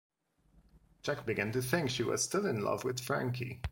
Jack began to think she was still in love with Frankie.